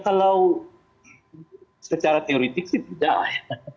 karena pilihan singapura jawa tenggara dan jawa tenggara itu tidak bisa diuntungkan